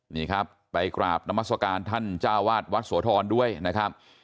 นี่ครับไปกราบนามัศกาลท่านเจ้าวาดวัดโสธรด้วยนะครับ